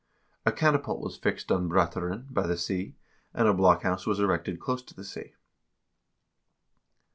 A catapult was fixed on Brat0ren by the sea, and a blockhouse was erected close to the sea."